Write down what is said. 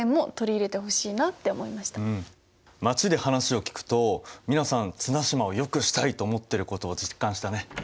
街で話を聞くと皆さん綱島をよくしたいと思ってることを実感したね。